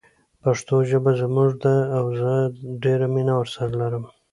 پښتو زموږ ژبه ده او زه ډیره مینه ورسره لرم